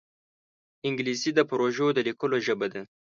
انګلیسي د پروژو د لیکلو ژبه ده